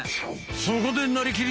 そこでなりきり！